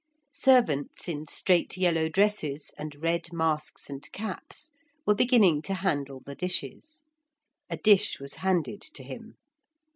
Servants in straight yellow dresses and red masks and caps were beginning to handle the dishes. A dish was handed to him.